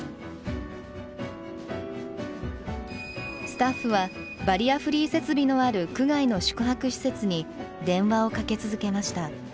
スタッフはバリアフリー設備のある区外の宿泊施設に電話をかけ続けました。